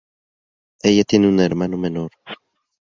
Ella tiene un hermano menor.